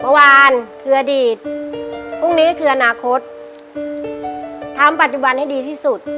เมื่อวานคืออดีตพรุ่งนี้คืออนาคตทำปัจจุบันให้ดีที่สุด